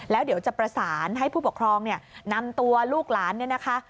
แล้วเดี๋ยวจะประสานให้ผู้ปกครองเนี่ยนำตัวลูกหลานเนี่ยนะคะ